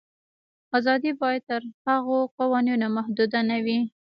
آزادي باید تر هغو قوانینو محدوده نه وي.